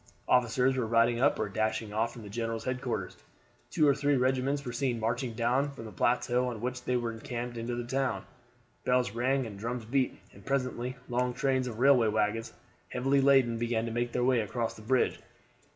Officers were riding up or dashing off from the general's headquarters. Two or three regiments were seen marching down from the plateau on which they were encamped into the town. Bells rang and drums beat, and presently long trains of railway wagons, heavily laden, began to make their way across the bridge.